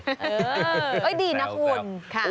เออดีนะคุณ